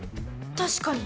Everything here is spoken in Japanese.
確かに。